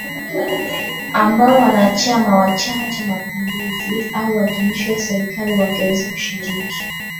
ambao wanachama wa Chama cha mapinduzi au watumishi wa serikali wangeweza kushiriki